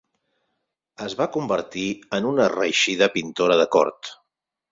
Es va convertir en una reeixida pintora de cort.